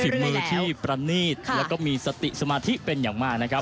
ต้องใช้สิ่งมือที่ประณีตแล้วก็มีสติสมาธิเป็นอย่างมากนะครับ